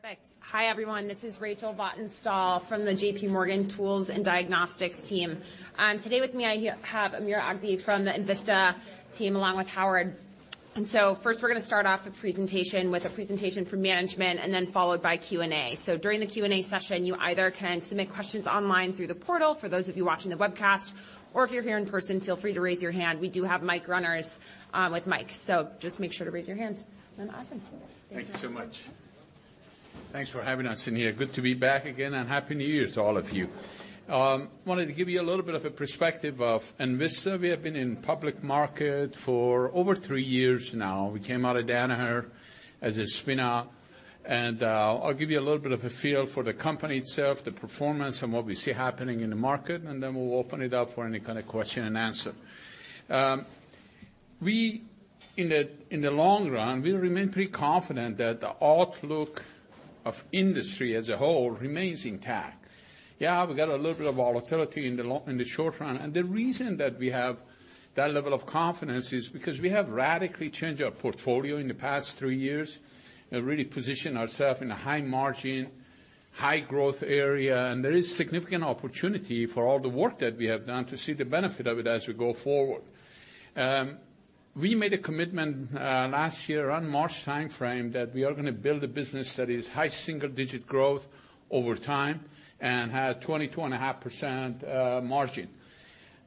Perfect. Hi, everyone. This is Rachel Vatnsdal from the JPMorgan Tools and Diagnostics team. Today with me, I have Amir Aghdaei from the Envista team, along with Howard. First, we're gonna start off the presentation with a presentation from management and then followed by Q&A. During the Q&A session, you either can submit questions online through the portal for those of you watching the webcast, or if you're here in person, feel free to raise your hand. We do have mic runners with mics. Just make sure to raise your hands. Awesome. Thank you so much. Thanks for having us in here. Good to be back again, and Happy New Year to all of you. Wanted to give you a little bit of a perspective of Envista. We have been in public market for over three years now. We came out of Danaher as a spin-out, and I'll give you a little bit of a feel for the company itself, the performance and what we see happening in the market, and then we'll open it up for any kind of question and answer. In the, in the long run, we remain pretty confident that the outlook of industry as a whole remains intact. Yeah, we've got a little bit of volatility in the short run. The reason that we have that level of confidence is because we have radically changed our portfolio in the past three years and really positioned ourself in a high margin, high growth area, and there is significant opportunity for all the work that we have done to see the benefit of it as we go forward. We made a commitment last year around March timeframe that we are gonna build a business that is high-single-digit growth over time and have 22.5% margin.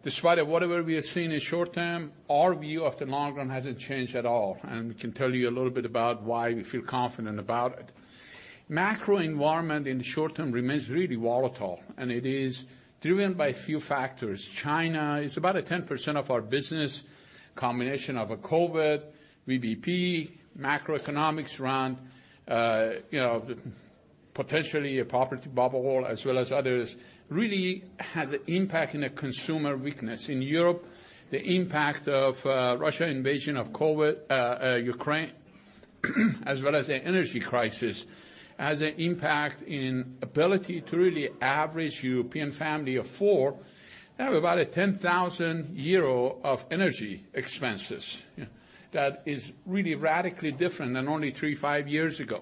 Despite whatever we are seeing in short term, our view of the long run hasn't changed at all, and we can tell you a little bit about why we feel confident about it. Macro environment in the short term remains really volatile. It is driven by a few factors. China is about a 10% of our business. Combination of a COVID, VBP, macroeconomics around, you know, potentially a property bubble as well as others, really has an impact in the consumer weakness. In Europe, the impact of Russia invasion of COVID, Ukraine, as well as the energy crisis, has an impact in ability to really average European family of four, have about 10,000 euro of energy expenses. That is really radically different than only three, five years ago.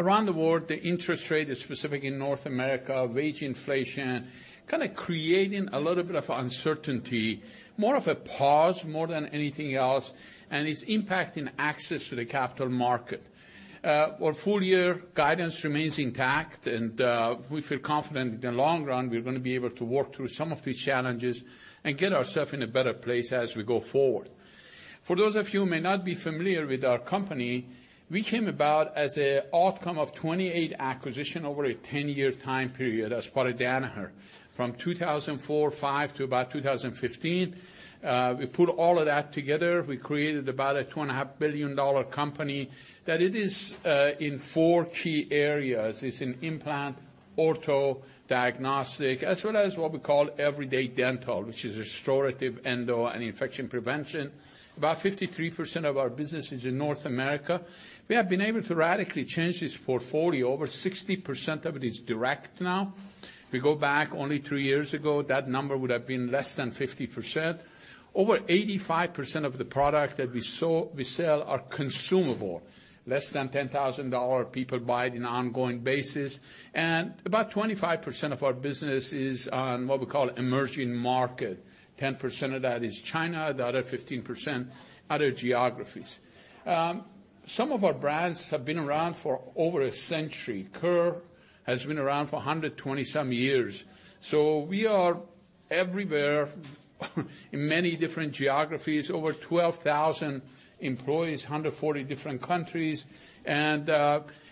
Around the world, the interest rate, specifically in North America, wage inflation, kinda creating a little bit of uncertainty, more of a pause more than anything else, and it's impacting access to the capital market. Our full year guidance remains intact and we feel confident in the long run we're gonna be able to work through some of these challenges and get ourself in a better place as we go forward. For those of you who may not be familiar with our company, we came about as a outcome of 28 acquisition over a 10-year time period as part of Danaher. From 2004/2005 to about 2015, we put all of that together. We created about a $2.5 billion company that it is in four key areas. It's in implant, ortho, diagnostic, as well as what we call everyday dental, which is restorative, endo and infection prevention. About 53% of our business is in North America. We have been able to radically change this portfolio. Over 60% of it is direct now. If we go back only three years ago, that number would have been less than 50%. Over 85% of the products that we sell are consumable. Less than $10,000, people buy it in ongoing basis. About 25% of our business is on what we call emerging market. 10% of that is China, the other 15%, other geographies. Some of our brands have been around for over a century. Kerr has been around for 120 some years. We are everywhere, in many different geographies, over 12,000 employees, 140 different countries.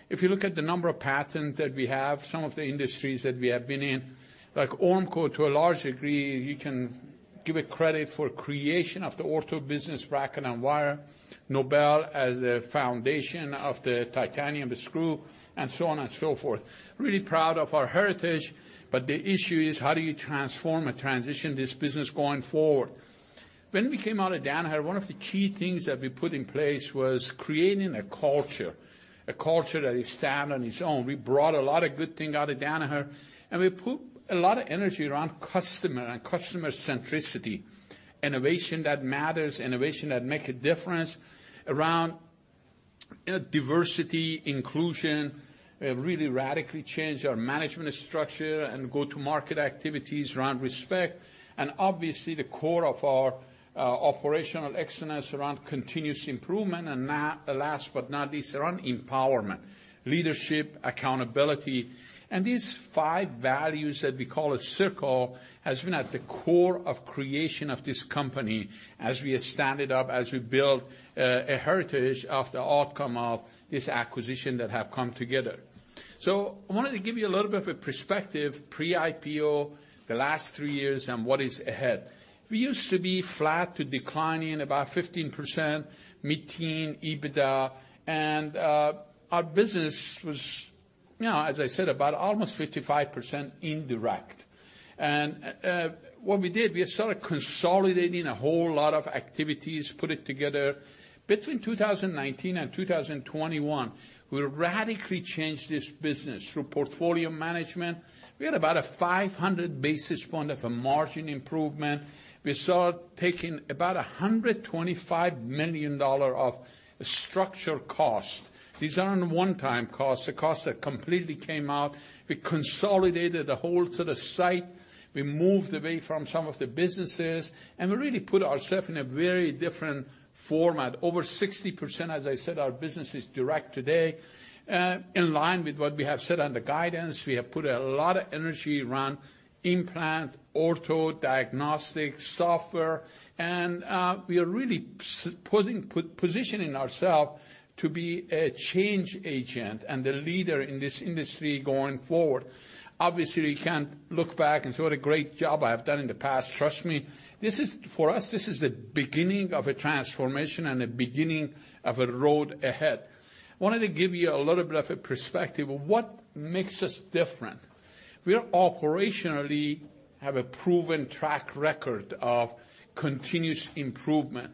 If you look at the number of patents that we have, some of the industries that we have been in, like Ormco, to a large degree, you can give it credit for creation of the ortho business bracket and wire, Nobel as a foundation of the titanium screw and so on and so forth. Really proud of our heritage, the issue is: How do you transform or transition this business going forward? When we came out of Danaher, one of the key things that we put in place was creating a culture, a culture that is stand on its own. We brought a lot of good thing out of Danaher, we put a lot of energy around customer and customer centricity, innovation that matters, innovation that make a difference, around, you know, diversity, inclusion, really radically change our management structure and go-to-market activities around respect, and obviously the core of our operational excellence around continuous improvement and last but not least, around empowerment, leadership, accountability. These five values that we call a CIRCLE has been at the core of creation of this company as we have stand it up, as we build a heritage of the outcome of this acquisition that have come together. I wanted to give you a little bit of a perspective pre-IPO, the last three years, and what is ahead. We used to be flat to declining about 15%, mid-teen EBITDA, and, our business was, you know, as I said, about almost 55% indirect. What we did, we started consolidating a whole lot of activities, put it together. Between 2019 and 2021, we radically changed this business through portfolio management. We had about a 500 basis point of a margin improvement. We started taking about $125 million of structural cost. These aren't one-time costs, the costs that completely came out. We consolidated a whole to the site. We moved away from some of the businesses, and we really put ourself in a very different format. Over 60%, as I said, our business is direct today, in line with what we have said on the guidance. We have put a lot of energy around implant, ortho, diagnostics, software, and we are really positioning ourselves to be a change agent and a leader in this industry going forward. Obviously, we can't look back and say what a great job I have done in the past. Trust me, for us, this is the beginning of a transformation and a beginning of a road ahead. Wanted to give you a little bit of a perspective of what makes us different. We operationally have a proven track record of continuous improvement.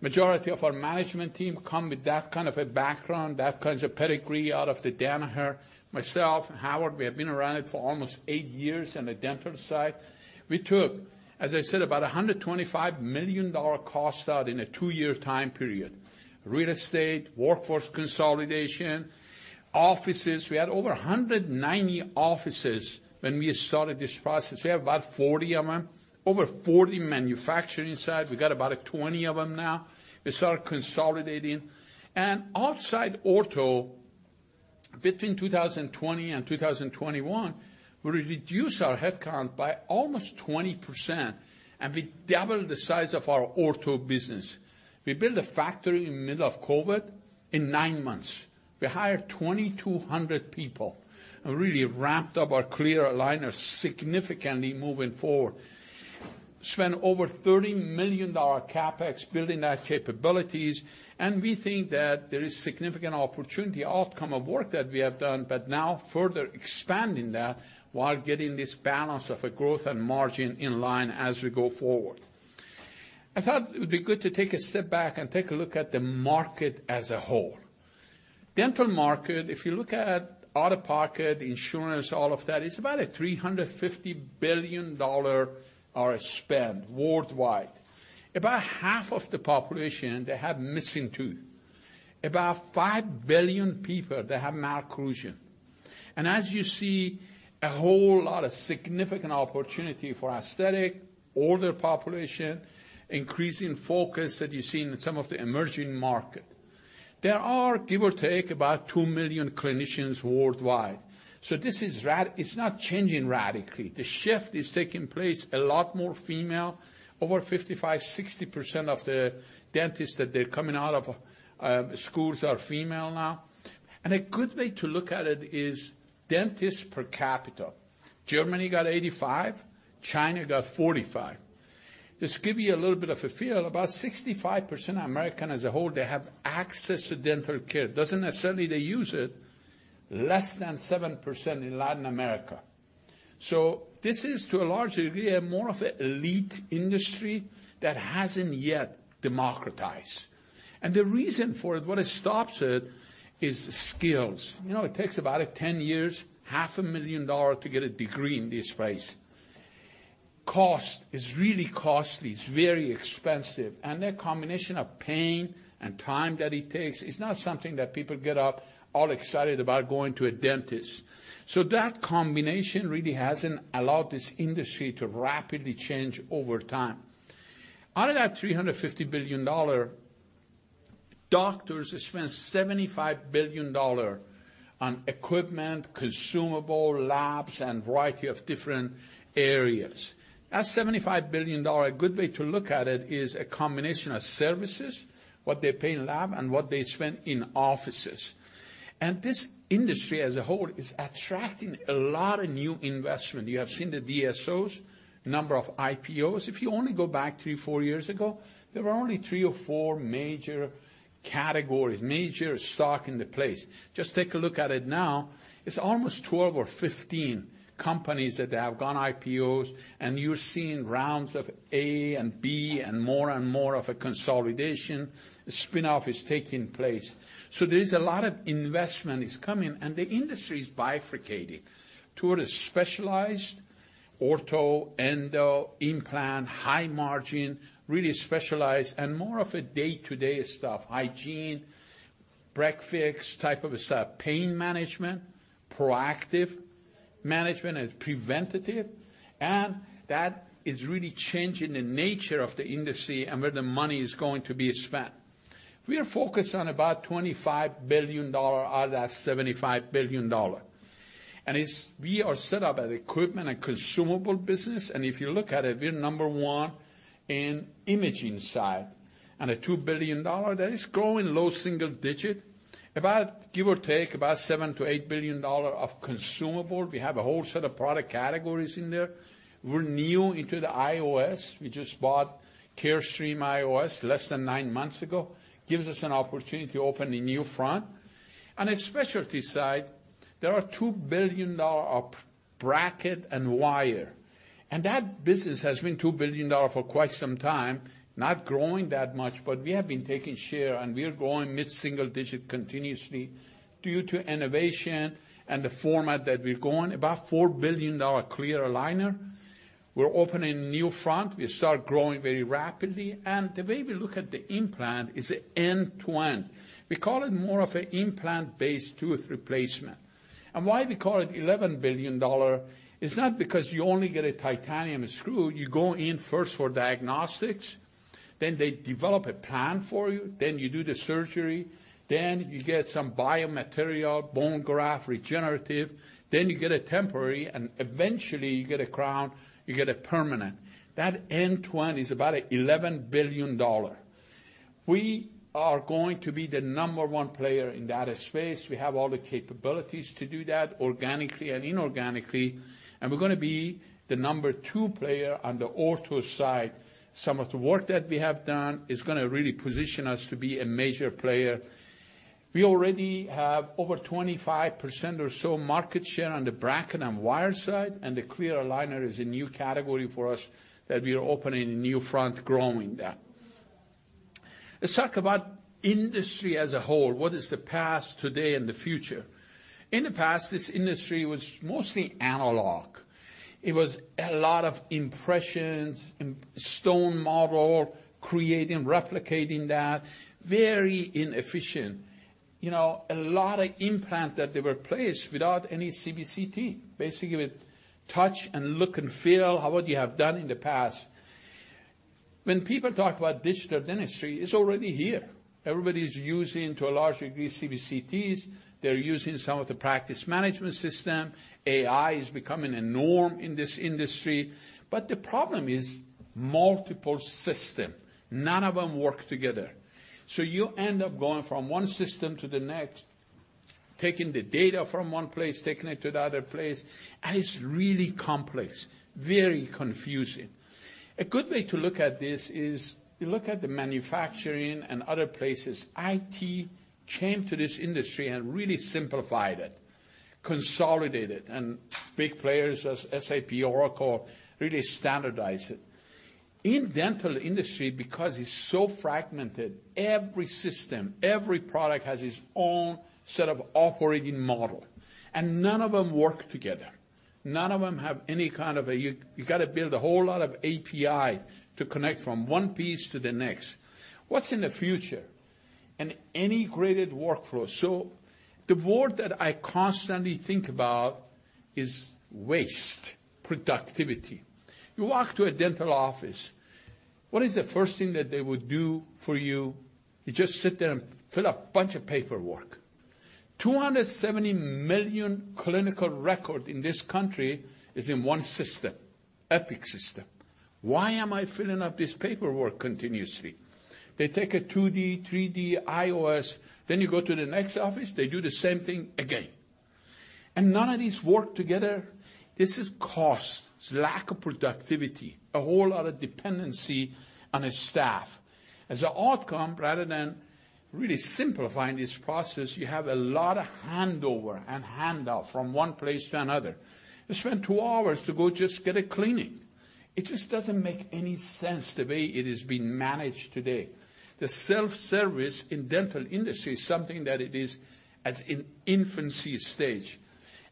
Majority of our management team come with that kind of a background, that kind of pedigree out of the Danaher. Myself, Howard, we have been around it for almost eight years on the dental side. We took, as I said, about a $125 million cost out in a two-year time period. Real estate, workforce consolidation, offices. We had over 190 offices when we started this process. We have about 40 of them, over 40 manufacturing site. We got about 20 of them now. We started consolidating. Outside ortho, between 2020 and 2021, we reduced our headcount by almost 20%, and we doubled the size of our ortho business. We built a factory in the middle of COVID in nine months. We hired 2,200 people and really ramped up our clear aligners significantly moving forward. Spent over $30 million CapEx building that capabilities, and we think that there is significant opportunity outcome of work that we have done, but now further expanding that while getting this balance of a growth and margin in line as we go forward. I thought it would be good to take a step back and take a look at the market as a whole. Dental market, if you look at out-of-pocket, insurance, all of that, it's about a $350 billion are spent worldwide. About half of the population, they have missing tooth. About 5 billion people, they have malocclusion. As you see, a whole lot of significant opportunity for aesthetic, older population, increasing focus that you see in some of the emerging market. There are, give or take, about 2 million clinicians worldwide. This is not changing radically. The shift is taking place, a lot more female. Over 55%, 60% of the dentists that they're coming out of schools are female now. A good way to look at it is dentists per capita. Germany got 85, China got 45. Just give you a little bit of a feel, about 65% American as a whole, they have access to dental care. Doesn't necessarily they use it, less than 7% in Latin America. This is, to a large degree, a more of a elite industry that hasn't yet democratized. The reason for it, what it stops it is skills. You know, it takes about 10 years, half a million dollar to get a degree in this space. Cost. It's really costly, it's very expensive. That combination of pain and time that it takes is not something that people get up all excited about going to a dentist. That combination really hasn't allowed this industry to rapidly change over time. Out of that $350 billion, doctors spend $75 billion on equipment, consumable, labs, and variety of different areas. That $75 billion, a good way to look at it is a combination of services, what they pay in lab, and what they spend in offices. This industry as a whole is attracting a lot of new investment. You have seen the DSOs, number of IPOs. If you only go back three, four years ago, there were only three or four major categories, major stock in the place. Just take a look at it now, it's almost 12 or 15 companies that have gone IPOs, and you're seeing rounds of A and B and more and more of a consolidation. The spinoff is taking place. There is a lot of investment is coming, and the industry is bifurcating toward a specialized ortho, endo, implant, high margin, really specialized and more of a day-to-day stuff, hygiene, breath-fix type of a stuff, pain management, proactive management and preventative. That is really changing the nature of the industry and where the money is going to be spent. We are focused on about $25 billion out of that $75 billion. We are set up at equipment and consumable business, and if you look at it, we're number one in imaging side. At $2 billion, that is growing low-single-digit. About, give or take, about $7 billion-$8 billion of consumable. We have a whole set of product categories in there. We're new into the IOS. We just bought Carestream IOS less than nine months ago. Gives us an opportunity to open a new front. On the specialty side, there are $2 billion of bracket and wire. That business has been $2 billion for quite some time. Not growing that much, but we have been taking share, and we are growing mid-single-digit continuously due to innovation and the format that we're going. About $4 billion clear aligner. We're opening new front. We start growing very rapidly. The way we look at the implant is end-to-end. We call it more of an implant-based tooth replacement. Why we call it $11 billion is not because you only get a titanium screw. You go in first for diagnostics, then they develop a plan for you, then you do the surgery, then you get some biomaterial, bone graft, regenerative, then you get a temporary, and eventually you get a crown, you get a permanent. That end-to-end is about $11 billion. We are going to be the number one player in that space. We have all the capabilities to do that organically and inorganically, and we're gonna be the number two player on the ortho side. Some of the work that we have done is gonna really position us to be a major player. We already have over 25% or so market share on the bracket and wire side, and the clear aligner is a new category for us that we are opening a new front growing that. Let's talk about industry as a whole. What is the past, today, and the future? In the past, this industry was mostly analog. It was a lot of impressions and stone model, creating, replicating that, very inefficient. You know, a lot of implant that they were placed without any CBCT. Basically, with touch and look and feel, how what you have done in the past. When people talk about digital dentistry, it's already here. Everybody's using, to a large degree, CBCTs. They're using some of the practice management system. AI is becoming a norm in this industry. The problem is multiple system. None of them work together. You end up going from one system to the next, taking the data from one place, taking it to the other place, and it's really complex, very confusing. A good way to look at this is you look at the manufacturing and other places. IT came to this industry and really simplified it, consolidated, and big players as SAP, Oracle, really standardized it. In dental industry, because it's so fragmented, every system, every product has its own set of operating model, and none of them work together. None of them have any kind of. You gotta build a whole lot of API to connect from one piece to the next. What's in the future? An integrated workflow. The word that I constantly think about is waste, productivity. You walk to a dental office, what is the first thing that they would do for you? You just sit there and fill a bunch of paperwork. 270 million clinical record in this country is in one system, Epic Systems. Why am I filling up this paperwork continuously? They take a 2D, 3D, IOS, then you go to the next office, they do the same thing again. None of these work together. This is cost. It's lack of productivity, a whole lot of dependency on a staff. As an outcome, rather than really simplifying this process, you have a lot of handover and handoff from one place to another. You spend two hours to go just get a cleaning. It just doesn't make any sense the way it is being managed today. The self-service in dental industry is something that it is at in infancy stage.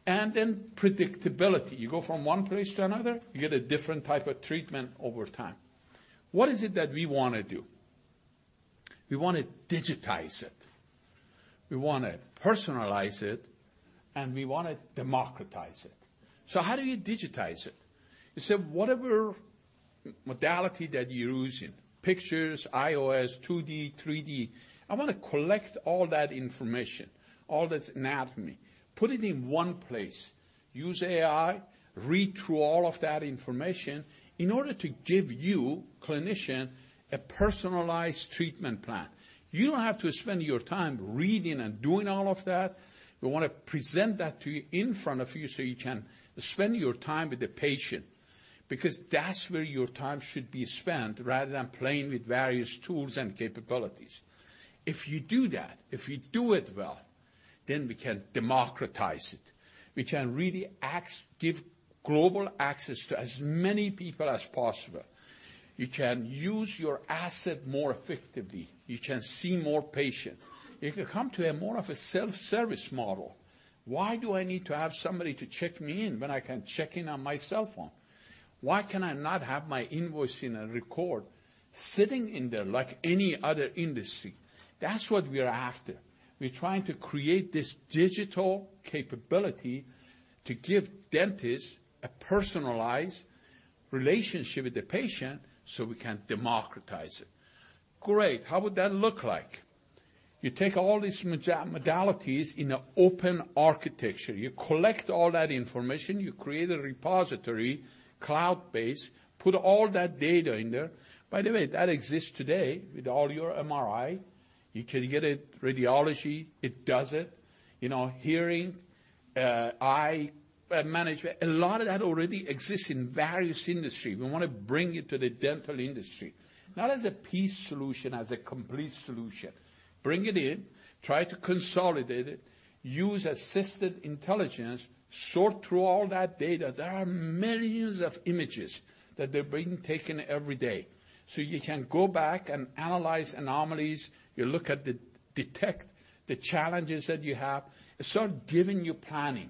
Predictability. You go from one place to another, you get a different type of treatment over time. What is it that we wanna do? We wanna digitize it, we wanna personalize it, and we wanna democratize it. How do you digitize it? You say, whatever modality that you're using, pictures, IOS, 2D, 3D, I wanna collect all that information, all that anatomy, put it in one place, use AI, read through all of that information in order to give you, clinician, a personalized treatment plan. You don't have to spend your time reading and doing all of that. We wanna present that to you in front of you so you can spend your time with the patient, because that's where your time should be spent, rather than playing with various tools and capabilities. If you do that, if you do it well, then we can democratize it. We can really give global access to as many people as possible. You can use your asset more effectively. You can see more patient. If you come to a more of a self-service model, why do I need to have somebody to check me in when I can check in on my cell phone? Why can I not have my invoice in a record sitting in there like any other industry? That's what we are after. We're trying to create this digital capability to give dentists a personalized relationship with the patient so we can democratize it. Great. How would that look like? You take all these modalities in an open architecture. You collect all that information, you create a repository, cloud-based, put all that data in there. By the way, that exists today with all your MRI. You can get it, radiology, it does it. You know, a lot of that already exists in various industry. We wanna bring it to the dental industry. Not as a piece solution, as a complete solution. Bring it in, try to consolidate it, use assisted intelligence, sort through all that data. There are millions of images that they're being taken every day. You can go back and analyze anomalies, detect the challenges that you have. It's sort of giving you planning,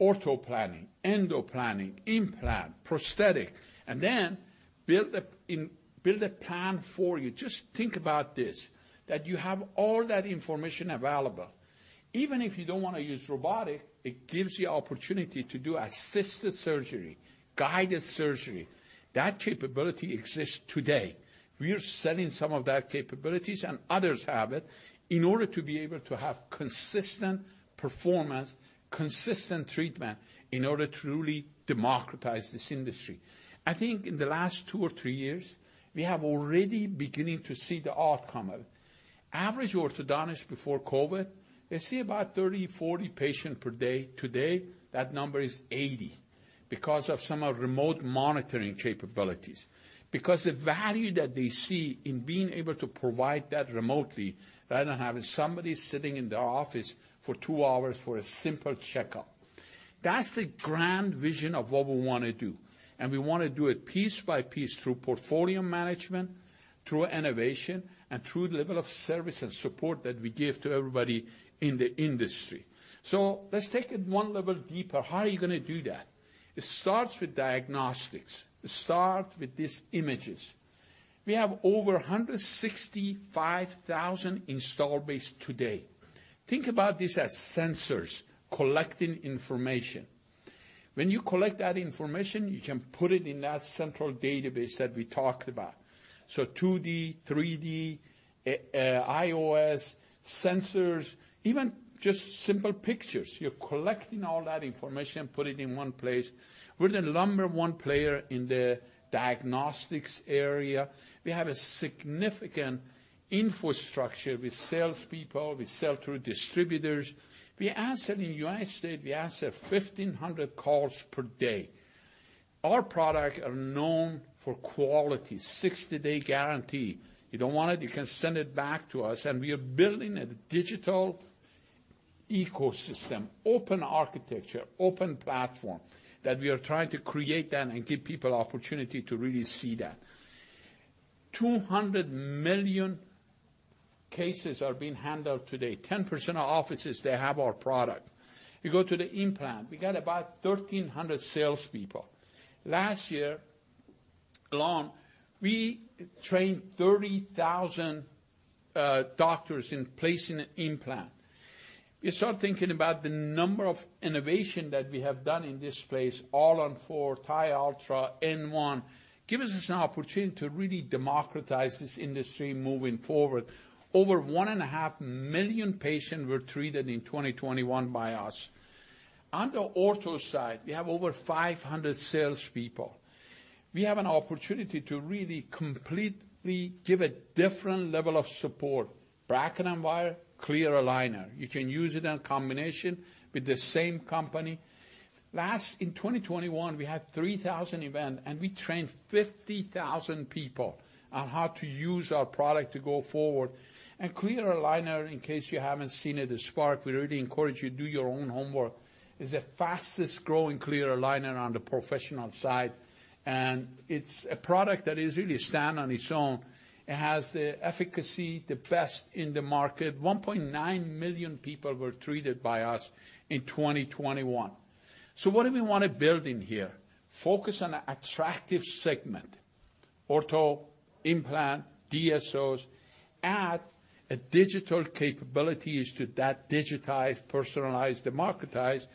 ortho planning, endo planning, implant, prosthetic, and then build a plan for you. Just think about this, that you have all that information available. Even if you don't wanna use robotic, it gives you opportunity to do assisted surgery, guided surgery. That capability exists today. We are selling some of that capabilities, and others have it, in order to be able to have consistent performance, consistent treatment, in order to really democratize this industry. I think in the last two or three years, we have already beginning to see the outcome of it. Average orthodontist before COVID, they see about 30, 40 patient per day. Today, that number is 80 because of some of remote monitoring capabilities. The value that they see in being able to provide that remotely, rather than having somebody sitting in their office for two hours for a simple checkup. That's the grand vision of what we wanna do, and we wanna do it piece by piece through portfolio management, through innovation, and through the level of service and support that we give to everybody in the industry. Let's take it one level deeper. How are you gonna do that? It starts with diagnostics. It start with these images. We have over 165,000 install base today. Think about these as sensors collecting information. When you collect that information, you can put it in that central database that we talked about. 2D, 3D, IOS, sensors, even just simple pictures. You're collecting all that information, put it in one place. We're the number-one player in the diagnostics area. We have a significant infrastructure with sales people. We sell through distributors. We answer, in the United States, we answer 1,500 calls per day. Our products are known for quality, 60-day guarantee. You don't want it, you can send it back to us. We are building a digital ecosystem, open architecture, open platform, that we are trying to create that and give people opportunity to really see that. 200 million cases are being handled today. 10% of offices, they have our product. You go to the implant, we got about 1,300 salespeople. Last year alone, we trained 30,000 doctors in placing an implant. You start thinking about the number of innovation that we have done in this space, All-on-4, TiUltra, N1, gives us an opportunity to really democratize this industry moving forward. Over 1.5 million patients were treated in 2021 by us. On the ortho side, we have over 500 salespeople. We have an opportunity to really completely give a different level of support. Bracket and wire, clear aligner. You can use it in combination with the same company. In 2021, we had 3,000 event, we trained 50,000 people on how to use our product to go forward. Clear aligner, in case you haven't seen it, the Spark, we really encourage you do your own homework, is the fastest-growing clear aligner on the professional side, and it's a product that is really stand on its own. It has the efficacy, the best in the market. 1.9 million people were treated by us in 2021. What do we wanna build in here? Focus on a attractive segment, ortho, implant, DSOs. Add a digital capabilities to that, digitize, personalize, democratize.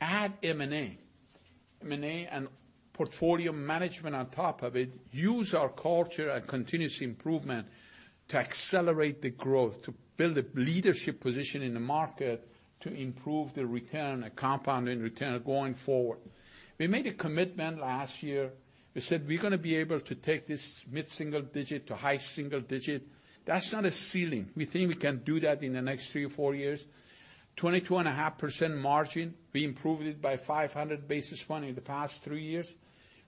Add M&A. M&A and portfolio management on top of it. Use our culture and continuous improvement to accelerate the growth, to build a leadership position in the market, to improve the return, a compounding return going forward. We made a commitment last year. We said, "We're gonna be able to take this mid-single-digit to high-single-digit." That's not a ceiling. We think we can do that in the next three or four years. 22.5% margin, we improved it by 500 basis points in the past three years.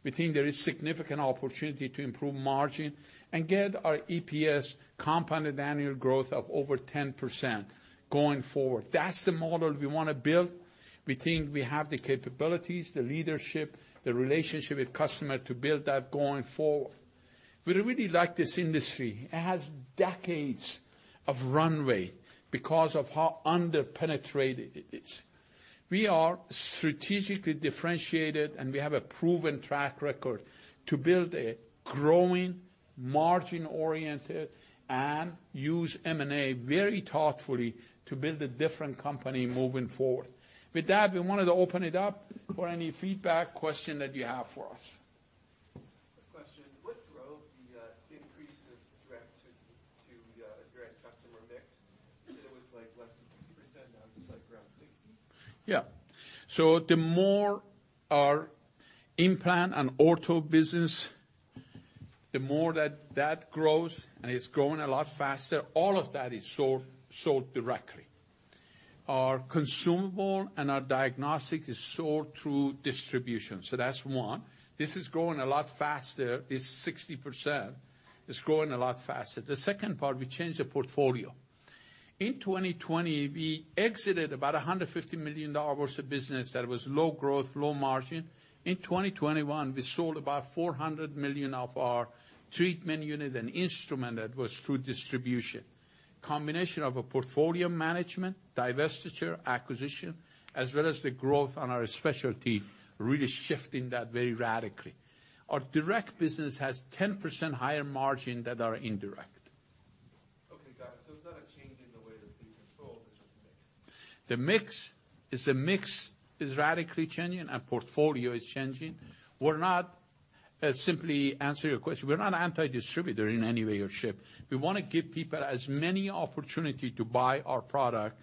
We think there is significant opportunity to improve margin and get our EPS compounded annual growth of over 10% going forward. That's the model we wanna build. We think we have the capabilities, the leadership, the relationship with customer to build that going forward. We really like this industry. It has decades of runway because of how under-penetrated it is. We are strategically differentiated, and we have a proven track record to build a growing, margin-oriented, and use M&A very thoughtfully to build a different company moving forward. With that, we wanted to open it up for any feedback, question that you have for us. A question. What drove the increase of direct to direct customer mix? You said it was, like, less than 50%, now it's, like, around 60%. Yeah. The more our implant and ortho business. The more that grows, and it's growing a lot faster, all of that is sold directly. Our consumable and our diagnostic is sold through distribution, so that's one. This is growing a lot faster, it's 60%. It's growing a lot faster. The second part, we changed the portfolio. In 2020, we exited about $150 million worth of business that was low growth, low margin. In 2021, we sold about $400 million of our treatment unit and instrument that was through distribution. Combination of a portfolio management, divestiture, acquisition, as well as the growth on our specialty, really shifting that very radically. Our direct business has 10% higher margin than our indirect. Okay, got it. It's not a change in the way that these are sold, it's just the mix. The mix is radically changing and portfolio is changing. We're not, simply answer your question, we're not anti-distributor in any way or shape. We wanna give people as many opportunity to buy our product.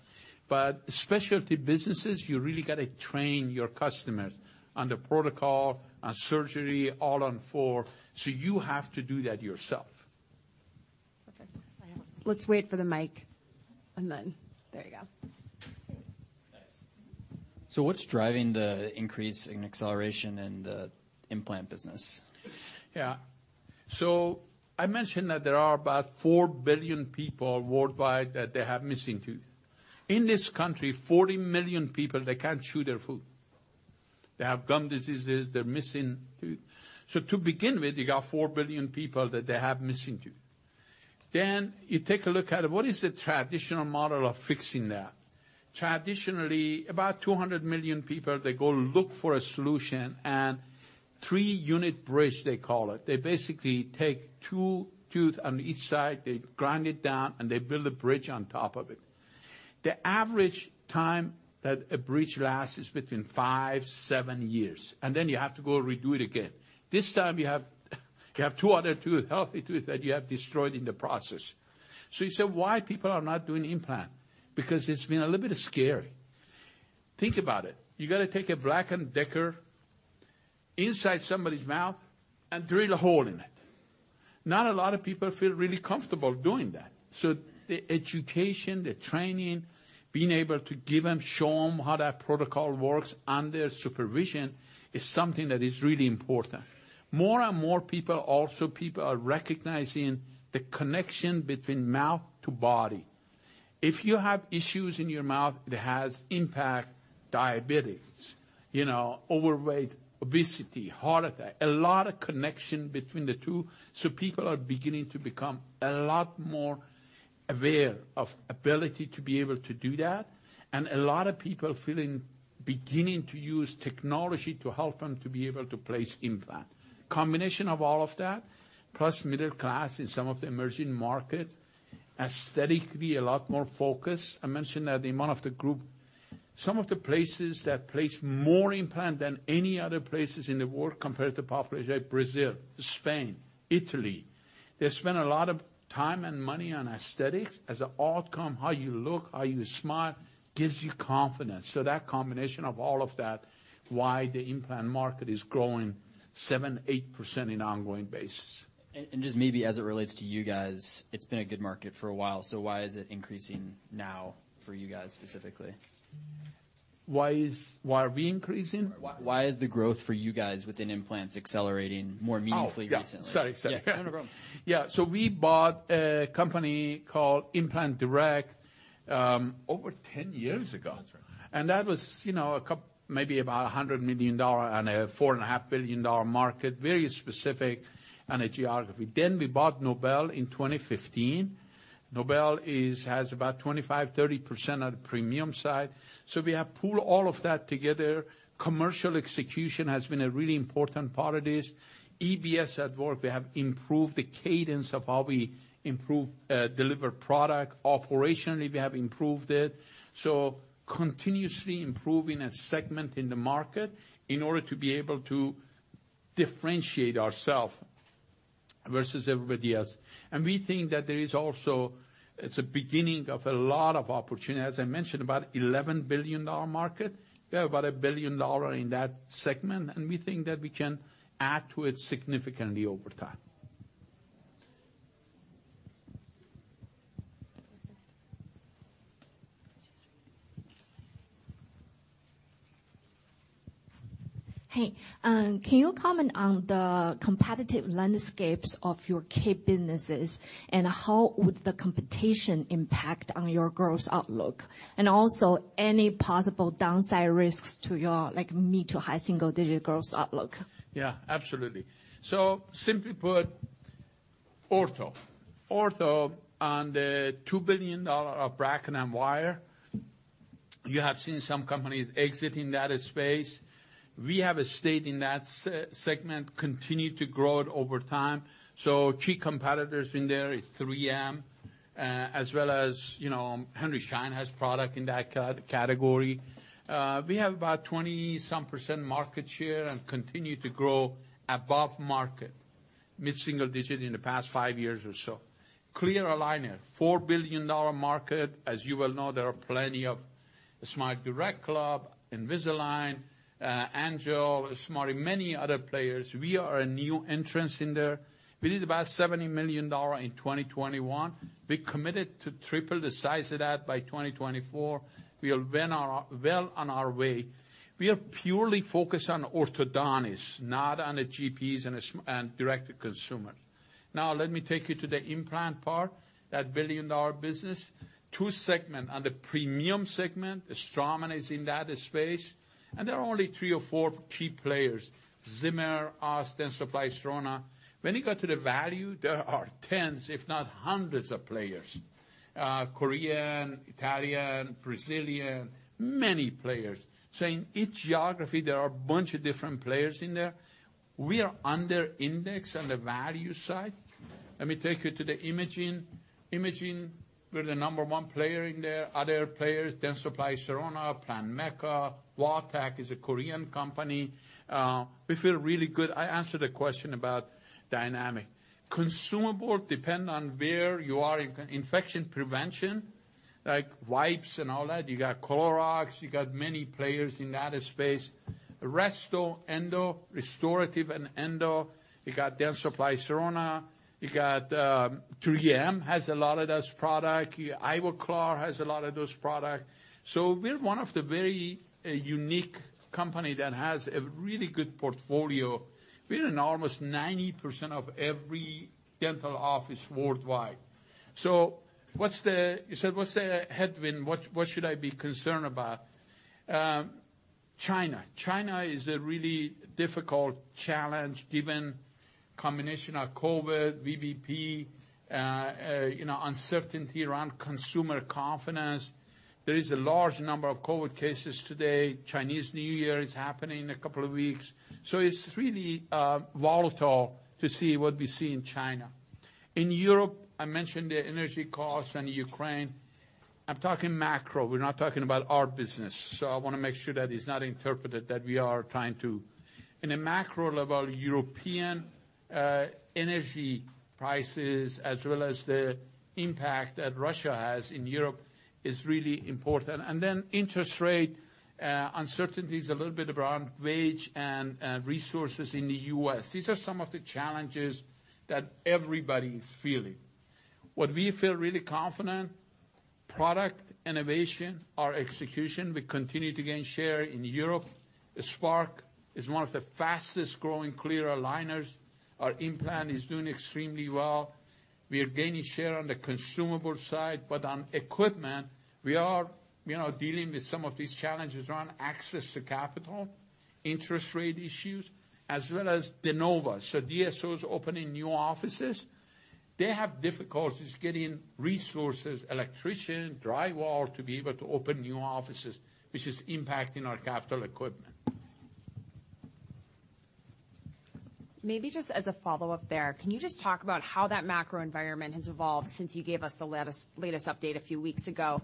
Specialty businesses, you really gotta train your customers on the protocol, on surgery, All-on-4. You have to do that yourself. Okay. Let's wait for the mic, and then... There you go. Thanks. What's driving the increase in acceleration in the implant business? Yeah. I mentioned that there are about 4 billion people worldwide that they have missing tooth. In this country, 40 million people, they can't chew their food. They have gum diseases, they're missing tooth. To begin with, you got 4 billion people that they have missing tooth. You take a look at what is the traditional model of fixing that. Traditionally, about 200 million people, they go look for a solution, three-unit bridge, they call it. They basically take two tooth on each side, they grind it down, and they build a bridge on top of it. The average time that a bridge lasts is between five, seven years. Then you have to go redo it again. This time you have two other tooth, healthy tooth, that you have destroyed in the process. You say, "Why people are not doing implant?" Because it's been a little bit scary. Think about it. You gotta take a Black & Decker inside somebody's mouth and drill a hole in it. Not a lot of people feel really comfortable doing that. The education, the training, being able to give them, show them how that protocol works under supervision is something that is really important. More and more people, also people are recognizing the connection between mouth to body. If you have issues in your mouth, it has impact diabetes, you know, overweight, obesity, heart attack, a lot of connection between the two, people are beginning to become a lot more aware of ability to be able to do that. A lot of people beginning to use technology to help them to be able to place implant. Combination of all of that, plus middle class in some of the emerging market, aesthetically a lot more focused. I mentioned that in one of the group, some of the places that place more implant than any other places in the world compared to population, Brazil, Spain, Italy, they spend a lot of time and money on aesthetics. As a outcome, how you look, how you smile gives you confidence. That combination of all of that, why the implant market is growing 7%, 8% in ongoing basis. Just maybe as it relates to you guys, it's been a good market for a while, so why is it increasing now for you guys specifically? Why are we increasing? Why is the growth for you guys within implants accelerating more meaningfully recently? Oh. Yeah. Sorry. Sorry. No, no problem. Yeah. We bought a company called Implant Direct over ten years ago. That's right. That was, you know, maybe about $100 million on a $4.5 billion market, very specific on a geography. We bought Nobel in 2015. Nobel is, has about 25%-30% of the premium side. We have pooled all of that together. Commercial execution has been a really important part of this. EBS at work, we have improved the cadence of how we improve, deliver product. Operationally, we have improved it. Continuously improving a segment in the market in order to be able to differentiate ourself versus everybody else. We think that there is also, it's a beginning of a lot of opportunity. As I mentioned, about $11 billion market. We have about $1 billion in that segment, and we think that we can add to it significantly over time. Okay. Hey, can you comment on the competitive landscapes of your key businesses, and how would the competition impact on your growth outlook? Also, any possible downside risks to your, like, mid to high-single-digit growth outlook? Yeah, absolutely. Simply put, ortho. Ortho on the $2 billion of bracket and wire, you have seen some companies exiting that space. We have stayed in that segment, continued to grow it over time. Key competitors in there is 3M, as well as, you know, Henry Schein has product in that category. We have about some 20% market share and continue to grow above market. Mid-single-digit in the past five years or so. Clear Aligner, $4 billion market. As you well know, there are plenty of SmileDirectClub, Invisalign, Angel, Smartee and many other players. We are a new entrance in there. We did about $70 million in 2021. We're committed to triple the size of that by 2024. We are well on our way. We are purely focused on orthodontists, not on the GPs and direct-to-consumer. Let me take you to the implant part, that billion-dollar business. Two segment. On the premium segment, Straumann is in that space, and there are only three or four key players, Zimmer, us, Dentsply Sirona. When you go to the value, there are tens, if not hundreds of players, Korean, Italian, Brazilian, many players. In each geography, there are a bunch of different players in there. We are under index on the value side. Let me take you to the imaging. Imaging, we're the number one player in there. Other players, Dentsply Sirona, Planmeca. Vatech is a Korean company. We feel really good. I answered a question about dynamic. Consumable, depend on where you are in infection prevention, like wipes and all that. You got Clorox, you got many players in that space. Resto, endo, restorative and endo, you got Dentsply Sirona, you got 3M has a lot of those product. Ivoclar has a lot of those product. We're one of the very unique company that has a really good portfolio. We're in almost 90% of every dental office worldwide. You said, what's the headwind? What should I be concerned about? China. China is a really difficult challenge, given combination of COVID, VBP, you know, uncertainty around consumer confidence. There is a large number of COVID cases today. Chinese New Year is happening in a couple of weeks. It's really volatile to see what we see in China. In Europe, I mentioned the energy costs and Ukraine. I'm talking macro. We're not talking about our business. I wanna make sure that it's not interpreted that we are trying to... In a macro level, European energy prices, as well as the impact that Russia has in Europe is really important. Interest rate uncertainties a little bit around wage and resources in the U.S. These are some of the challenges that everybody is feeling. What we feel really confident, product innovation, our execution. We continue to gain share in Europe. Spark is one of the fastest-growing clear aligners. Our implant is doing extremely well. We are gaining share on the consumable side, but on equipment, we are, you know, dealing with some of these challenges around access to capital, interest rate issues, as well as de novo. DSOs opening new offices, they have difficulties getting resources, electrician, drywall, to be able to open new offices, which is impacting our capital equipment. Maybe just as a follow-up there, can you just talk about how that macro environment has evolved since you gave us the latest update a few weeks ago?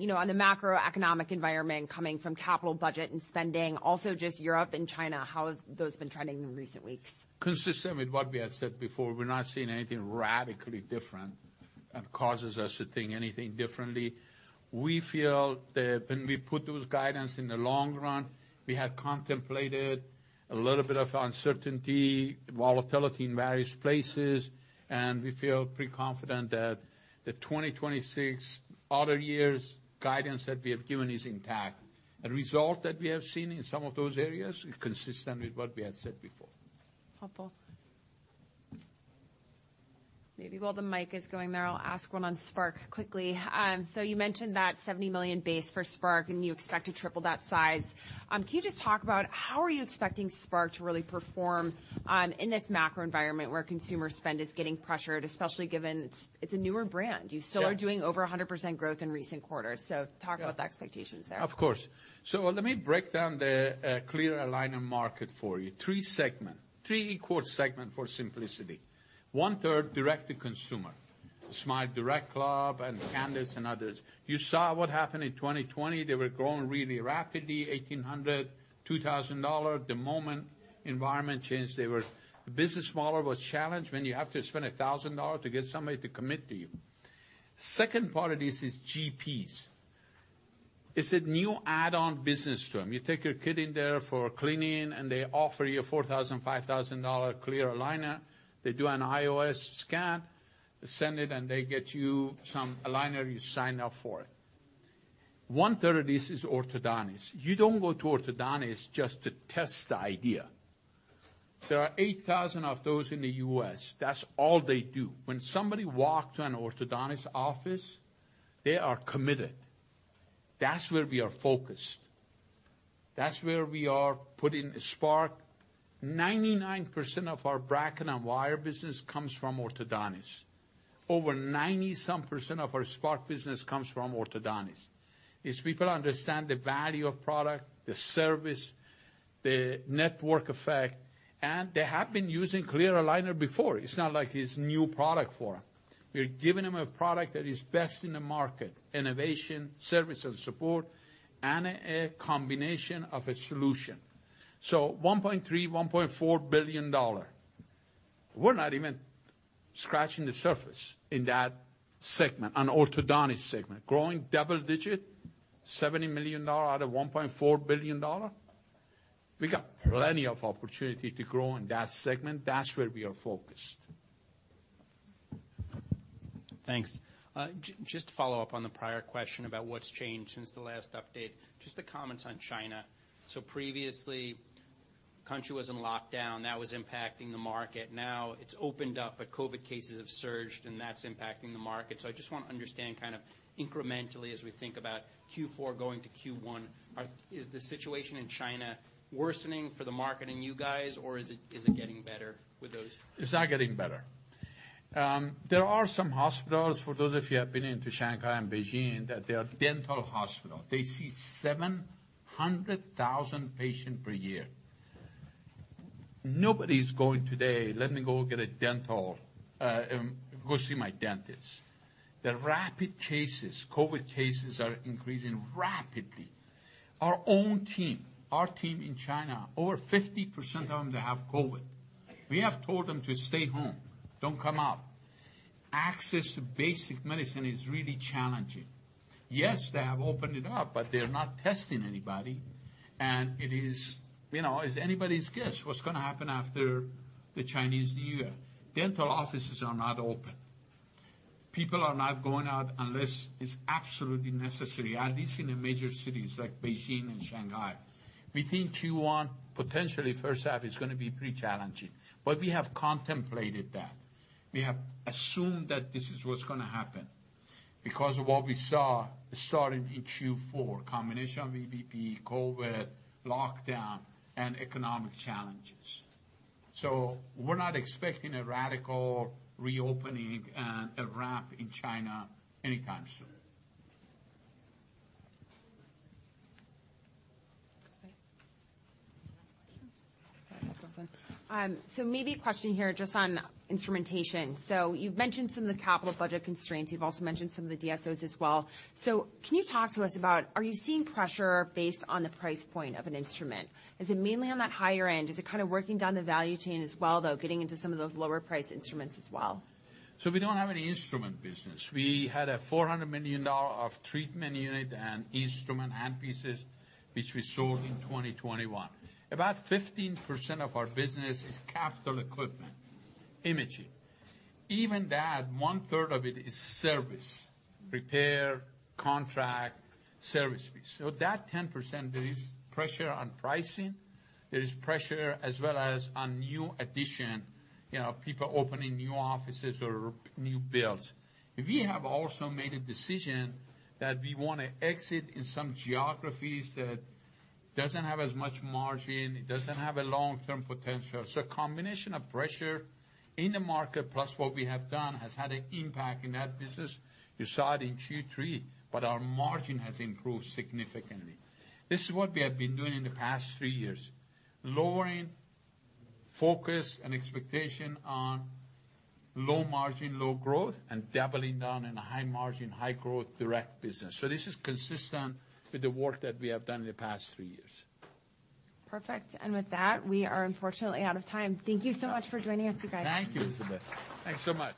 You know, on the macroeconomic environment coming from capital budget and spending, also just Europe and China, how have those been trending in recent weeks? Consistent with what we have said before, we're not seeing anything radically different that causes us to think anything differently. We feel that when we put those guidance in the long run, we have contemplated a little bit of uncertainty, volatility in various places, and we feel pretty confident that the 2026, other years' guidance that we have given is intact. The result that we have seen in some of those areas is consistent with what we had said before. Helpful. Maybe while the mic is going there, I'll ask one on Spark quickly. You mentioned that $70 million base for Spark, and you expect to triple that size. Can you just talk about how are you expecting Spark to really perform in this macro environment where consumer spend is getting pressured, especially given it's a newer brand? Yeah. You still are doing over 100% growth in recent quarters. Yeah. Talk about the expectations there. Of course. Let me break down the clear aligner market for you. Three segment. Three equal segment for simplicity. 1/3 direct-to-consumer. SmileDirectClub and Candid and others. You saw what happened in 2020. They were growing really rapidly, $1,800-$2,000. The moment environment changed, the business model was challenged when you have to spend $1,000 to get somebody to commit to you. Second part of this is GPs. It's a new add-on business to them. You take your kid in there for cleaning, and they offer you a $4,000-$5,000 clear aligner. They do an IOS scan, send it, and they get you some aligner, you sign up for it. 1/3 of this is orthodontists. You don't go to orthodontist just to test the idea. There are 8,000 of those in the U.S. That's all they do. When somebody walks to an orthodontist office, they are committed. That's where we are focused. That's where we are putting Spark. 99% of our bracket and wire business comes from orthodontists. Over some 90% of our Spark business comes from orthodontists. These people understand the value of product, the service, the network effect, and they have been using clear aligner before. It's not like it's new product for them. We're giving them a product that is best in the market. Innovation, service and support, and a combination of a solution. $1.3 billion-$1.4 billion. We're not even scratching the surface in that segment, on orthodontist segment. Growing double-digit, $70 million out of $1.4 billion. We got plenty of opportunity to grow in that segment. That's where we are focused. Thanks. Just to follow up on the prior question about what's changed since the last update. Just the comments on China. Previously, country was in lockdown, now it's impacting the market. It's opened up, but COVID cases have surged, and that's impacting the market. I just wanna understand kind of incrementally as we think about Q4 going to Q1. Is the situation in China worsening for the market and you guys, or is it, is it getting better with those? It's not getting better. There are some hospitals, for those of you have been into Shanghai and Beijing, that they are dental hospital. They see 700,000 patient per year. Nobody's going today, "Let me go get a dental, go see my dentist." The rapid cases, COVID cases are increasing rapidly. Our own team, our team in China, over 50% of them, they have COVID. We have told them to stay home, don't come out. Access to basic medicine is really challenging. Yes, they have opened it up, but they're not testing anybody, and it is, you know, is anybody's guess what's gonna happen after the Chinese New Year. Dental offices are not open. People are not going out unless it's absolutely necessary, at least in the major cities like Beijing and Shanghai. We think Q1, potentially first half is gonna be pretty challenging. We have contemplated that. We have assumed that this is what's gonna happen. Because of what we saw starting in Q4, combination of VBP, COVID, lockdown, and economic challenges. We're not expecting a radical reopening, a ramp in China anytime soon. Okay. You have a question? I have a question. Maybe a question here just on instrumentation. You've mentioned some of the capital budget constraints, you've also mentioned some of the DSOs as well. Can you talk to us about, are you seeing pressure based on the price point of an instrument? Is it mainly on that higher end? Is it kind of working down the value chain as well, though, getting into some of those lower priced instruments as well? We don't have any instrument business. We had a $400 million of treatment unit and instrument hand pieces which we sold in 2021. About 15% of our business is capital equipment, imaging. Even that, one third of it is service. Repair, contract, service fees. That 10%, there is pressure on pricing. There is pressure as well as on new addition, you know, people opening new offices or new builds. We have also made a decision that we wanna exit in some geographies that doesn't have as much margin, it doesn't have a long-term potential. Combination of pressure in the market, plus what we have done, has had an impact in that business. You saw it in Q3, our margin has improved significantly. This is what we have been doing in the past three years. Lowering focus and expectation on low margin, low growth, and doubling down in a high margin, high growth direct business. This is consistent with the work that we have done in the past three years. Perfect. With that, we are unfortunately out of time. Thank you so much for joining us, you guys. Thank you, Elizabeth. Thanks so much.